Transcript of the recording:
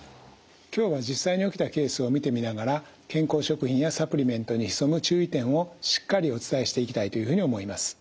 今日は実際に起きたケースを見てみながら健康食品やサプリメントに潜む注意点をしっかりお伝えしていきたいというふうに思います。